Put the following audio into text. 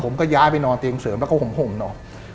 ผมก็ย้ายไปนอนเตียงเสริมแล้วก็ห่มหน่อย